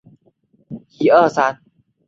因此内湖庄长郭华让申请造桥。